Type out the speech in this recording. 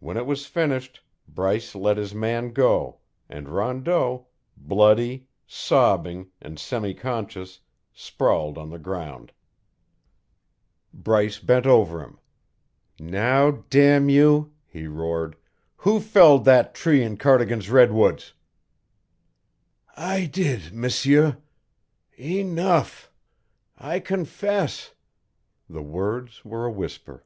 When it was finished, Bryce let his man go, and Rondeau, bloody, sobbing, and semi conscious, sprawled on the ground. Bryce bent over him. "Now, damn you," he roared, "who felled that tree in Cardigan's Redwoods?" "I did, M'sieur. Enough I confess!" The words were a whisper.